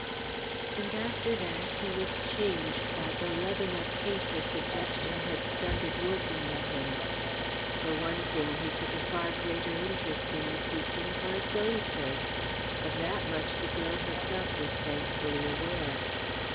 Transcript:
And after that he was changed by the leaven of hate her suggestion had started working in him. For one thing, he took a far greater interest in the teaching for its own sake. Of that much the girl herself was thankfully aware.